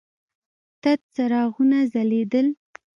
تت څراغونه ځلېدل.